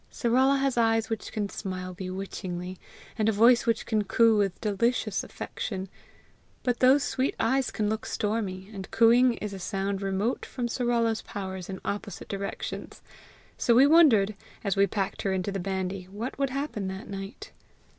Sarala has eyes which can smile bewitchingly, and a voice which can coo with delicious affection; but those sweet eyes can look stormy, and cooing is a sound remote from Sarala's powers in opposite directions; so we wondered, as we packed her into the bandy, what would happen that night.